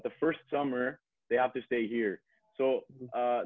tapi musim pertama mereka harus tinggal di sini